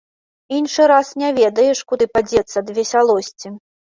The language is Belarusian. Іншы раз не ведаеш, куды падзецца ад весялосці.